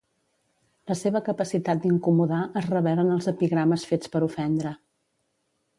La seva capacitat d'incomodar es revela en els epigrames fets per ofendre.